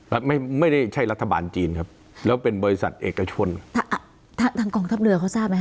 คือไม่ได้ใช่รัฐบาลจีนครับ